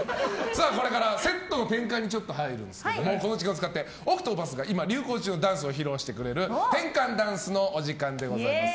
これからセットの転換に入るんですがこの時間を使ってＯＣＴＰＡＴＨが今流行中のダンスを披露してくれる転換ダンスのお時間でございます。